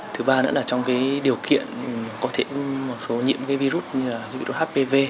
thứ ba nữa là trong cái điều kiện có thể phối nhiễm virus như là hpv